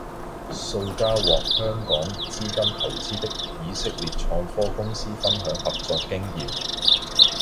數家獲香港資金投資的以色列創科公司分享合作經驗